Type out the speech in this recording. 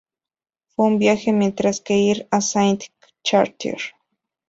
Fue un viaje mientras que ir a Saint-Chartier.